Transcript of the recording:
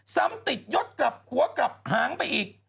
ซ้ำติดยศกลับหัวกลับหางไปอีก